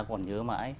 còn nhớ mãi